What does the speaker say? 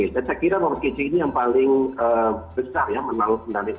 saya kira muhammad kc ini yang paling besar menarik